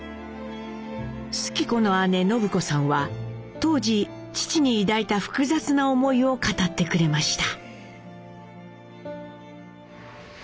主基子の姉信子さんは当時父に抱いた複雑な思いを語ってくれました。